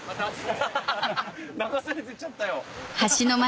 流されてっちゃったよ。